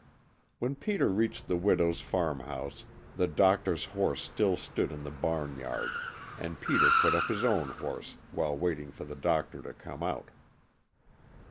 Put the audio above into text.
When Peter reached the widow's farmhouse the doctor's horse still stood in the bam yard, and Peter put up his own horse, while waiting for the doctor to come out.